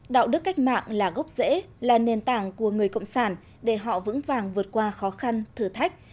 đạo đức cách mạng là gốc rễ là nền tảng của người cộng sản để họ vững vàng vượt qua khó khăn thử thách